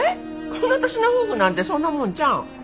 この年の夫婦なんてそんなもんちゃうん？